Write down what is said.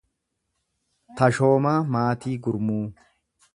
Tashoomaa Maatii Gurmuu